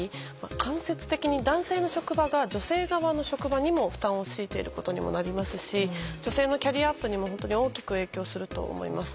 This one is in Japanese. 間接的に男性の職場が女性側の職場にも負担を強いていることにもなりますし女性のキャリアアップにも本当に大きく影響すると思います。